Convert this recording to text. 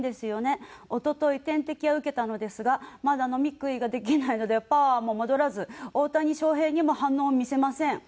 「一昨日点滴は受けたのですがまだ飲み食いができないのでパワーも戻らず大谷翔平にも反応を見せません」。